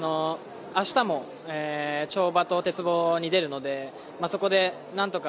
明日も跳馬と鉄棒に出るのでそこで、なんとか。